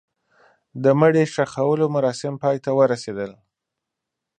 د مړي ښخولو مراسم پای ته ورسېدل.